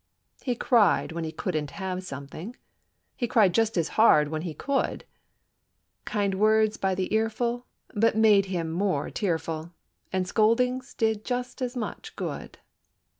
He cried when he couldn't have something; He cried just as hard when he could; Kind words by the earful but made him more tearful, And scoldings did just as much good.